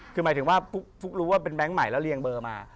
คือหมายถึงว่าฟุ๊กรู้ว่าเป็นแก๊งใหม่แล้วเรียงเบอร์มา